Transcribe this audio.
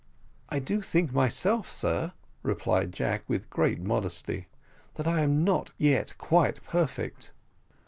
"I do think myself, sir," replied Jack, with great modesty, "that I am not yet quite perfect."